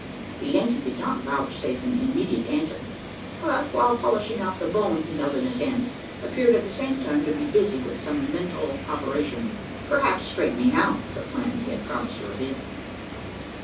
The Yankee did not vouchsafe an immediate answer; but, while polishing off the bone he held in his hand, appeared at the same time to be busy with some mental operation perhaps straightening out the plan he had promised to reveal.